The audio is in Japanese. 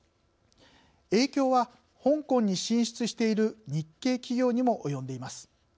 影響は香港に進出している日系企業にも及んでいます。